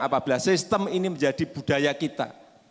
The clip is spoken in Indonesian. apabila sistem ini menjadi budaya kita